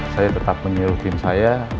saya tetap menyuruh tim saya